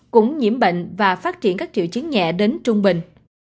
cũng nhiễm bệnh và phát triển các triệu chứng nhẹ đến trung bình